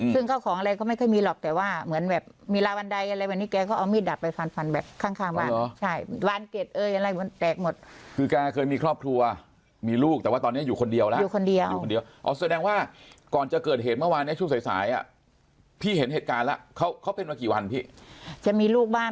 ซึ่งก็ของอะไรก็ไม่ค่อยมีหรอกแต่ว่าเหมือนแบบมีลาวันใดอะไรแบบนี้แกก็เอามีดดับไปฟันฟันแบบข้างข้างบ้านใช่วานเก็ดเอ้ยอะไรมันแตกหมดคือแกเคยมีครอบครัวมีลูกแต่ว่าตอนนี้อยู่คนเดียวแล้วอยู่คนเดียวอยู่คนเดียวอ๋อแสดงว่าก่อนจะเกิดเหตุเมื่อวานเนี้ยช่วงสายสายอ่ะพี่เห็นเหตุการณ์แล้วเขาเขาเป็นมากี่วันพี่จะมีลูกบ้าน